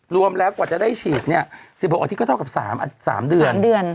รวมแล้วกว่าจะได้ฉีดเนี่ย๑๖อาทิตยก็เท่ากับ๓เดือน๓เดือน